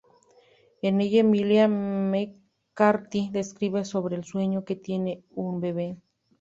En ella Emilia McCarthy describe sobre el sueño que tiene un bebe.